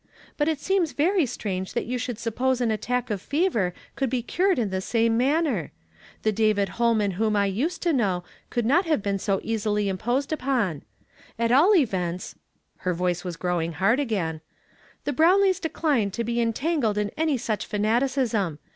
But it seems very strange that you should sup I Ml ^ 156 YESTERDAY FRAMED IN TO DAY. pose an attack of fever could be cured in the same manner ! The David Holman whom I used to know could not have been so easily imposed upon. At all events" — her voice was growing hard again —" the Brownlees decline to be en tangled in any such fanaticism.